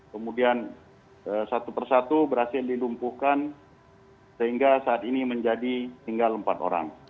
kemudian satu persatu berhasil dilumpuhkan sehingga saat ini menjadi tinggal empat orang